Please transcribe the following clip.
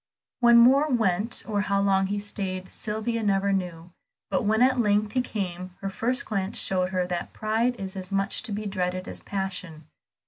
Where Moor went or how long he stayed Sylvia never knew, but when at length he came, her first glance showed her that pride is as much to be dreaded as passion.